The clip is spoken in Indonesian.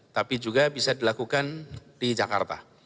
tapi juga bisa dilakukan di jakarta